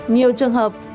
nhiều trường hợp